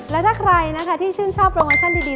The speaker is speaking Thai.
และถ้าใครนะคะที่ชื่นชอบโปรโมชั่นดี